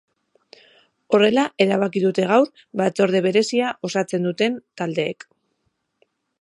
Horrela erabaki dute gaur batzorde berezia osatzen duten taldeek.